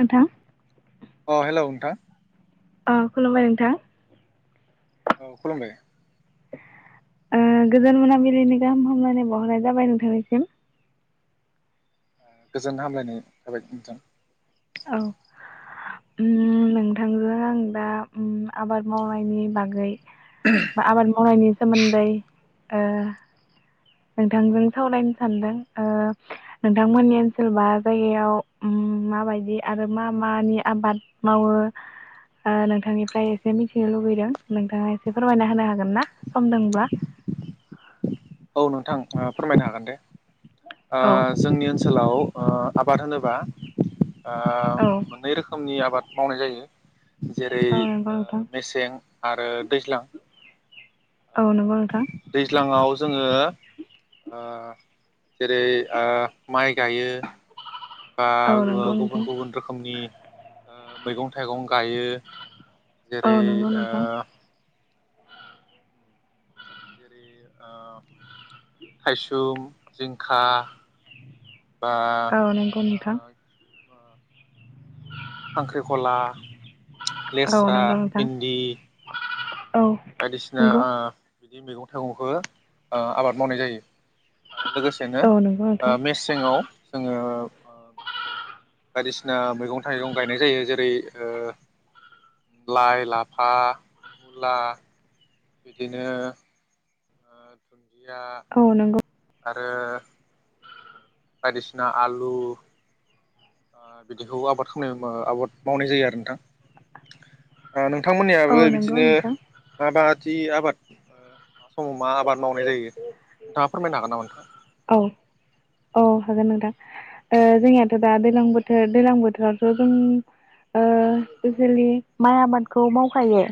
नोंथां अ हेलौ नोंथां। अ खुलुमबाय नोंथां। औ खुलुमबाय ओ गोजोन मोनाबिलिनि गाहाम हामलायनानै बावहरनाय जाबाय नोंथांनिसिम। गोजोन हामलायनाय थाबाय नोंथां। औ। उम नोंथांजों आं दा उम आबाद मावनायनि बागै बा आबाद मांवनायनि सोमोन्दै ओ नोंथांजों सावरायनो सानदों ओ नोंथांमोननि ओनसोल बा जायगायाव उम माबायदि आरो मा मानि आबाद मावो ओ नोंथांनिफ्राय एसे मिथिनो लुुबैदों नोंथाङा एसे फोरमायना होनो हागोन ना सम दंब्ला औ नोंथां फोरमायनो हागोन दे। औ ओ जोंनि ओनसोल ओनसोलाव ओ आबाद होनोबा ओ औ मोननै रोखोमनि आबाद मावनाय जायो। जेरै औ नंगौ ओ नोंथां मेसें आरो दैज्लां। औ नंगौ नोंथां। दैज्लाङाव ओ ओ। जेरै ओ माइ गायो बा औ ओ नंगौ नोंथां गुबुन-गुबुन रोखोमनि ओ मैगं-थाइगं गायो जेरै औ नंगौ ओ नोंथां जेरै ओ थायसुम, जिंखा औ नंगौ नोंथां। बाह खांख्रिखला, औ लेस्रा, नंगौ नोंथां भिन्दि औ बायदिसिना नंगौ ओ बिदि मैगं-थाइगंखौ ओ आबाद मावनाय जायो। आरो लोगोसेनो औ नंगौ ओ नोंथां मेसेङाव जोङो ओह बायदिसिना मैगं थाइगं गायनाय जायो जेरै ओ लाइ, लाफा, मुला बिदिनो ओ दुन्दिया औ नंगौ आरो बायदिसिना आलु ओ बिदिखौ आबाद खामनाय बा आबाद मावनाय जायो आरो नोंथां। ओ औ नोंथांमोननियाबो नंगौ बिदिनो नोंथां माबादि आबाद समाव मा आबाद मावनाय जायो नोंथाङा फोरमायनो हागोन नामा नोंथां? औ औ हागोन नोंथां ओ जोंनियाथ दा दैलां बोथोर दैलां बोथोरावथ जों ओ स्पेसियेलि माइ आबादखौ मावखायो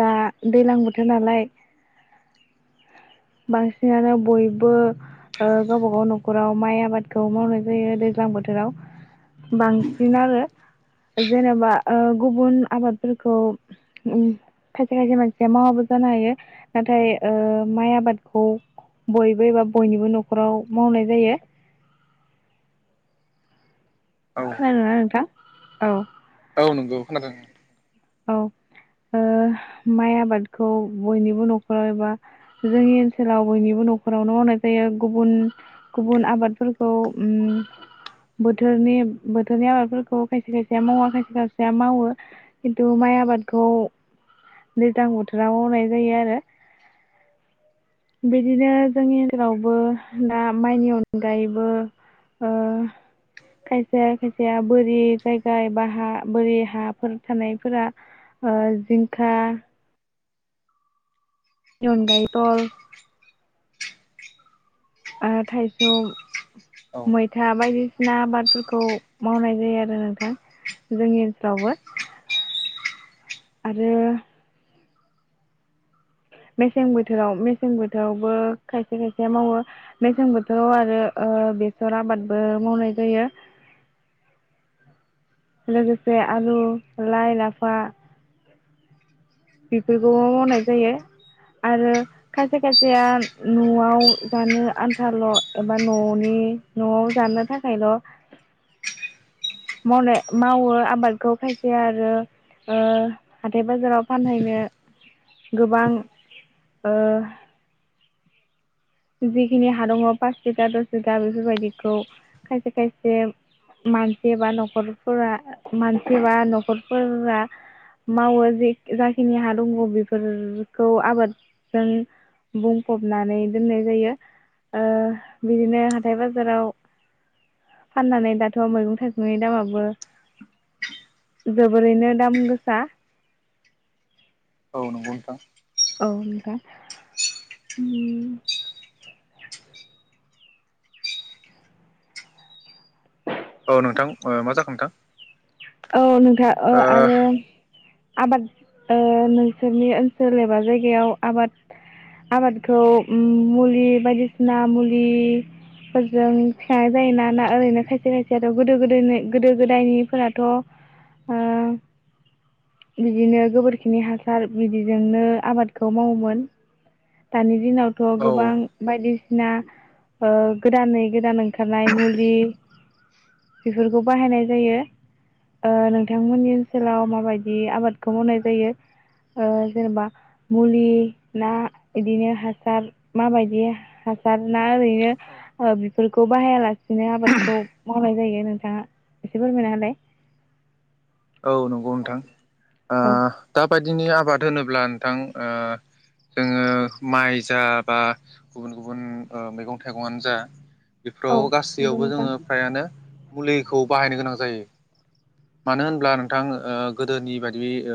दा दैलां बोथोर नालाय बांसिनानो बयबो ओ गावबा गाव नखराव माइ आबादखौ मावनाय जायो दैज्लां बोथोराव बांसिन आरो जेनेबा ओ गुबुन आबादफोरखौ उम खायसे खायसे मानसिया मावाबो जानो हायो नाथाय ओ माइ आबाद खौ बयबो एबा बयनिबो नखराव मावनाय जायो। औ खोनादोंना नोंथां? औ औ नंगौ खोनादों औ ओ माइ आबादखौ बयनिबो नखराव एबा जोंनि ओनसोलाव बयनिबो नखरावनो मावनाय जायो गुबुन गुबुन आबादफोरखौ उम बोथोरनि बोथोरनि आबादफोरखौ खायसे खायसेया मावा खायसे खायसेया मावो। खिन्थु माइ आबादखौ दैज्लां बोथोराव मावनाय जायो आरो बिदिनो जोंनि ओनसोलावबो दा माइनि अनगायैबो ओ खायसे खायसेया बोरि जायगा बा हा बोरि हाफोर थानायफोरा ओ जिंखा नि अनगायै थल ओ थाइसुम, औ मैथा बायदिसिना आबादफोरखौ मावनाय जायो आरो नोंथां जोंनि ओनसोलावबो आरो मेसें बोथोराव मेसें बोथोरावबो खायसे खायसे मावो मेसें बोथोराव आरो ओ बेसर आबादबो मावनाय जायो। लोगोसे आलु, लाइ, लाफा बेफोरखौबो मावनाय जायो आरो खायसे खायसेया नआव जानो आन्थाल एबा ननि नआव जानो थाखायल मावनाय मावो आबादखौ खायसे आरो ओ हाथाइ बाजाराव फानहैनो गोबां ओ जिखिनि हा दङ पास भिगा दस बिघा बेफोरबायदिखौ खायसे खायसे मानसि बा नखरफोरा मानसि बा नखरफोरा मावो ज-जाखिनि हा दङ बेफोरखौ आबादजों बुंफबनानै दोननाय जायो। ओ बिदिनो हाथाय बाजाराव फाननानै दाथ मैगं थाइगंनि दामाबो जोबोरैनो दाम गोसा। औ नंगौ नोंथां। औ नोंथां। उम। औ नोंथां, मा जाखो नोंथां? औ नों ओ आरो आबाद ओ नोंसोरनि ओनसोल एबा जायगायाव आबाद आबादखौ मुलि बायदिसिना मुलिफोरजों थिखांनाय जायोना ना ओरैनो खायसे खायसेथ गोदो गोदोनि गोदो गोदायनिफोरा थ ओ बिदिनो गोबोरखिनि हासार बिदिजोंनो आबादखौ मावोमोन दानि दिनावथ ओ गोबां बायदि सिना ओ गोदानै गोदान ओंखारनाय मुलि बेफोरखौ बाहायनाय जायो। ओ नोंथांमोननि ओनसोलाव माबायदि आबादखौ मावनाय जायो? ओ जेनेबा मुलि ना बिदिनो हासार माबायदि हासार ना ओरैनो औ बेफोरखौ बाहायालासिनो आबादखौ मावनाय जायो नोंथाङा एसे फोरमायना हालाय। औ नंगौ नोंथां ओ औ दा बायदिनि आबाद होनोब्ला नोंथां ओ जोङो माइ जा बा गुबुन गुबुन ओ मैगं थाइगंआनो जा औ बेफोराव नंगौ गासैयावबो नोंथां जोङो फ्रायानो मुलिखौ बाहायनो गोनां जायो। मानो होन ब्ला नोंथां ओ गोदोनि बायदि ओ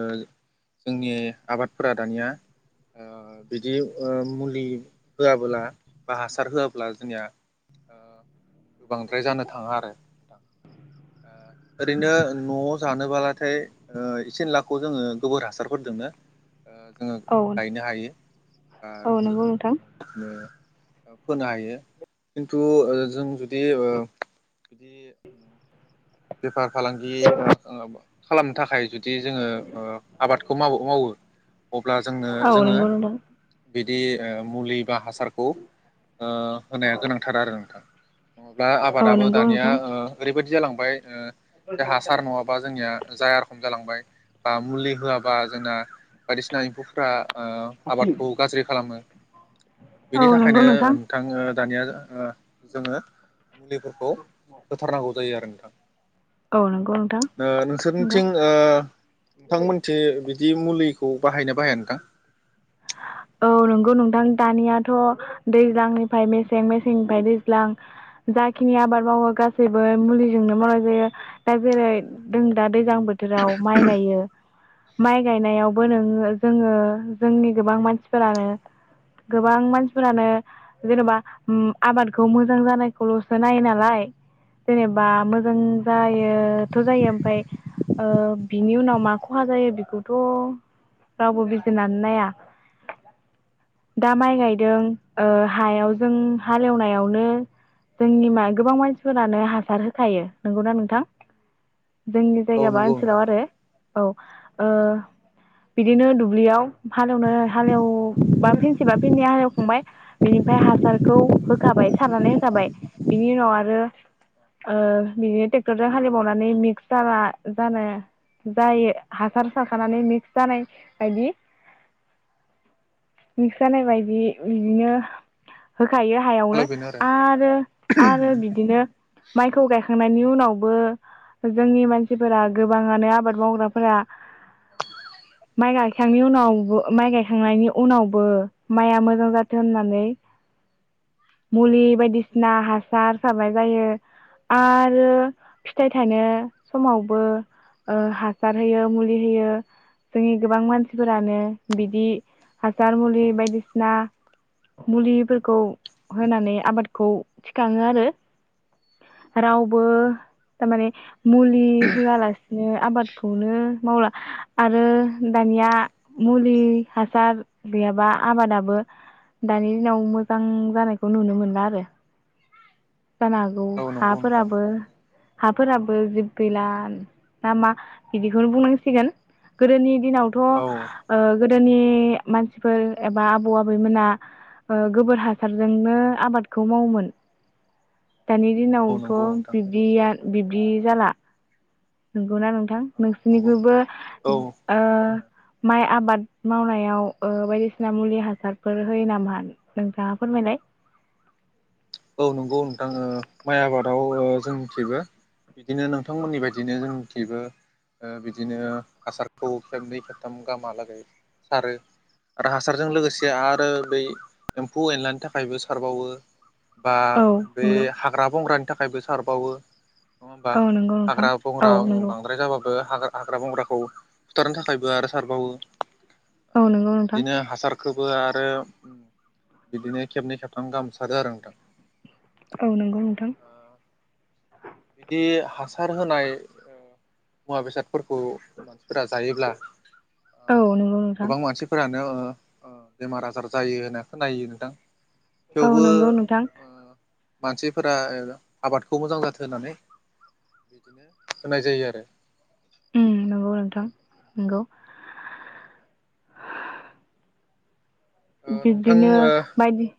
जोंनि आबादफोरा दानिया ओ बिदि ओ मुलि होआब्ला बा हासार होआब्ला जोंनिया ओ बांद्राय जानो थाङा आरो नोंथां ओ ओरैनो न जानोब्लाथाय ओ इसे एनलाखौ जोङो गोबोर हासारफोरदोंनो ओ जोङो औ ओ गायनो हायो [inaudible] फोनो हायो खिन्थु जों जुदि बिदि। बेफार फालांगि खालामनो थाखाय जु दि जोङो आबादखौ माव-मावो अब्ला जोंनो जोङो नंगौ नोंथां बिदि ओ मुलि बा हासारखौ ओ होनाया गोनांथार आरो नोंथां। नङाब्ला औ आबादाबो नंगौ दानिया नोंथां ओरैबायदि। बिदि जालांबाय। ओ जे हासार नङाबा जोंनिया जाया रखम जालांबाय बा मुलि होआबा जोंना बायदिसिना एम्फौफ्रा। ओ आबादखौ गाज्रि खालामो औ नंगौ नोंथां औ बिनि नंगौ थाखायनो नोंथां दानिया जोङो। मुलिफोरखौ होथारनांगौ जायो आरो। औ नंगौ नोंथां [inaudible] ओ नंगौ नोंसोरनिथिं ओ नोंथांमोनथिं बिदि मुलिखौ बाहायोना बाहाया नोंथां? औ नंगौ नोंथां दानियाथ दैज्लांनिफ्राय मेसें मेसेंनिफ्राय दैज्लां जाखिनि आबाद मावो गासैबो मुलिजोंनो मावनाय जायो। दा जेरै जों दा- दैज्लां बोथोराव माइ गायो। माइ गायनायावबो नोङो जोङो जोंनि गोबां मानसि- फोरानो गोबां मानसिफोरानो जेनेबा आबादखौ मोजां जानायखौलसो नायो नालाय जेनेबा मोजां जायोथ जायो ओमफ्राय ओ बिनि उनाव मा खहा जायो बेखौथ रावबो बिजिरनानै नाया। दा माइ गायदों ओ-हायाव जों हालेवनायावनो जोंनि मा गोबां मानसिफोरानो हासार होखायो नंगौना नोंथां? जोंनि औ जायगाबा नंगौ ओनसोलाव नोंथां आरो - औ ओ औ बिदिनो दुब्लियाव हालेवनो हालेव- बा फिनसिबा फिननि हालेवखांबाय बिनिफ्राय हासारखौ होखाबाय सारनानै होखाबाय बिनि उनाव आरो बिदिनो ट्रेक्टरजों हालेबावनानै मिक्स जा जानो जायो हासार साराखानानै मिक्स जानाय बायदि- मिक्सजानाय बायदि - बिनो- होखायो हायावनो आरो आरो बिदिनो माइखौ गायखांनाय- उनावबो जोंनि मानसिफोरा गोबाङानो आबाद मावग्राफोरा माइ गायखांनायनि उनाव माइ गायखांनायनि उ- उनावबो माइआ मोजां जाथों होननानै मुलि बायदिसिना हासार सारनाय जायो आरो फिथाइ थानो समावबो हासार होयो मुलि होयो जोंनि गोबां मानसिफोरानो बिदि- हासार मुलि बायदिसिना मुलिफोरखौ होनानै आबादखौ थिखाङो आरो रावबो थारमाने मुलि होआलासिनो आबादखौनो मावला आरो दानिया मुलि हासार - गैयाबा आबादाबो दानि दिनाव मोजां जानायखौ नुनो मोनला आरो। जानो हागौ औ नंगौ नोंथां हाफोराबो- हाफोराबो जिब गैला ना मा बिदिखौनो बुंनांसिगोन गोदोनि दिनावथ‌ ओ औ गोदोनि मानसिफोर एबा आबौ आबैमोना गोबोर हासारजोंनो आबादखौ मावोमोन दानि औ नंगौ दिनावथ‌' नोंथां बिदिया बिब्दि जाला नोंगौना नों? थां औ नंगौ नोंसिनिखौबो औ ओ माइ आबाद मावनायाव बायदिसिना मुलि हासारफोर होयो नामा नोंथाङा फोरमायलाय? औ नंगौ नोंथां ओहो माइ आबाद मावओ जों थेबो बिदिनो नोंथांमोननि बायदिनो जों थेबो बिदिनो हासारखौ खेबनै खेबथाम गामालागै सारो आरो हासारजों लोगोसे आरो बै एम्फौ एनलानि थाखायबो सारबावो। बा औ बे नंगौ हाग्रा बंग्रानि थाखायबो सारबावो नङा होमबा औ नंगौ नोंथां हाग्रा औ बंग्रा नंगौ बांद्राय जाब ह हाग्रा बंग्राखौ सुथारनो थाखायबो आरो सारबावो। ओ औ नंगौ नोंथां। बिदिनो हासार खौबो आरो बिदिनो खेबनै खेबथाम गामसारो आरो नोंथां। औ नंगौ नोंथां। ओ बिदि हासार होनाय मुवा बेसादफोरखौ फोरा जायोब्ला औ नंगौ नोंथां गोबां मानसिफोरानो ओ बेमार आजार जायो होनना खोनायो नोंथां। औ थेवबो नंगौ नोंथां। ओ मानसिफोरा ओ आबादखौ मोजां जाथों होनानै होनाय जायो आरो ओ नंगौ नोंथां नंगौ। ओ नोंथां बिब्दिनो ओ बायदि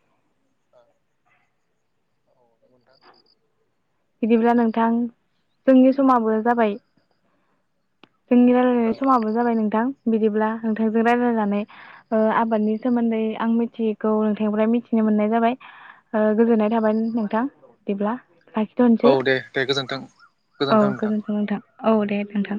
औ नंगौ नोंथां बिदिब्ला नोंथां जोंनि समाबो जाबाय जोंनि रायलायनाय औ समाबो जाबाय नोंथां। बिदिब्ला नोंथांजों रायलायनानै ओ आबादनि सोमोन्दै आं मिथियैखौ नोंथांनिफ्राय मिथिनो मोननाय जाबाय ओ गोजोननाय थाबाय नोंथां बिदिब्ला। लाखिथ'नोसै औ दे दे गोजोन्थों औ गोजोन्थों नोंथां। औ दे नोंथां।